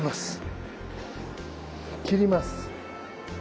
斬ります。